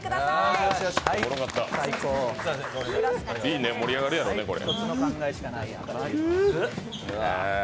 いいね、盛り上がるやろね、これ。